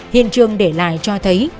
hiện trường để lại cho thấy